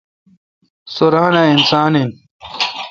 سو ران اؘ اسان این۔